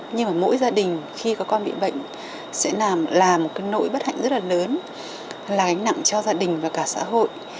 nhưng mỗi gia đình khi có con bị bệnh sẽ là một nỗi bất hạnh rất lớn là ánh nặng cho gia đình và cả xã hội